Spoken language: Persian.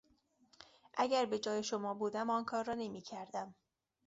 اگر به جای شما بودم آن کار را نمیکردم.